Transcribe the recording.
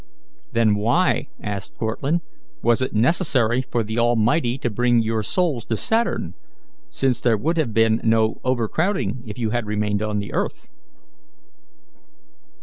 "Then why," asked Cortlandt, "was it necessary for the Almighty to bring your souls to Saturn, since there would have been no overcrowding if you had remained on the earth?"